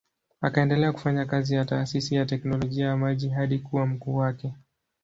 Akaendelea kufanya kazi ya taasisi ya teknolojia ya maji hadi kuwa mkuu wake.